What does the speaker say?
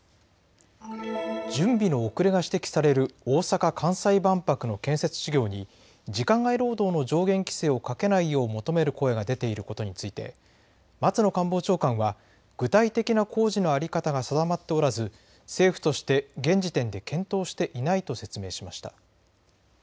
準備の遅れが指摘される大阪・関西万博の建設事業に時間外労働の上限規制をかけないよう求める声が出ていることについて松野官房長官は具体的な工事の在り方が定まっておらず政府として現時点で検討していないと説明しました。